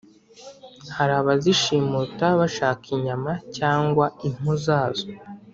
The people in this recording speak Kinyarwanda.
hari abazishimuta bashaka inyama cyangwa impu zazo.